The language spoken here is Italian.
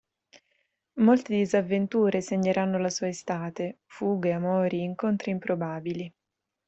Molte disavventure segneranno la sua estate: fughe, amori, incontri improbabili.